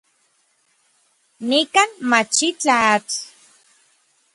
Nikan machitlaj atl.